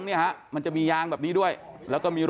จะไม่เคลียร์กันได้ง่ายนะครับ